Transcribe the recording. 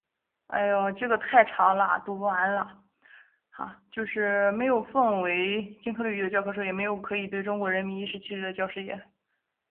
在中国这样一个有着五千多年文明史，十三亿多人口的大国推进改革发展，没有可以奉为金科律玉的教科书，也没有可以对中国人民颐使气指的教师爷。